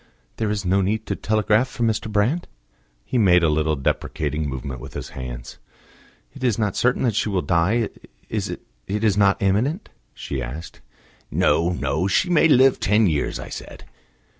"There is no need to telegraph for Mr. Brand?" He made a little deprecating movement with his hands. "It is not certain that she will die it is not imminent?" she asked. "No, no; she may live ten years, I said."